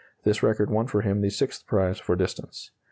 (This record won for him the sixth prize for distance.)